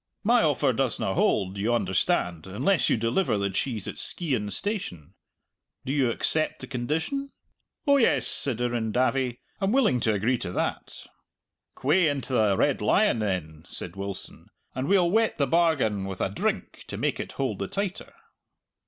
My offer doesna hold, you understand, unless you deliver the cheese at Skeighan Station. Do you accept the condition?" "Oh yes," said Irrendavie, "I'm willing to agree to that." "C'way into the Red Lion then," said Wilson, "and we'll wet the bargain with a drink to make it hold the tighter!"